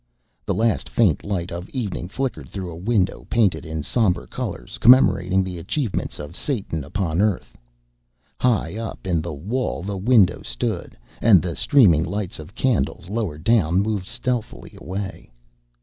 The last faint light of evening flickered through a window painted in sombre colours commemorating the achievements of Satan upon Earth. High up in the wall the window stood, and the streaming lights of candles lower down moved stealthily away.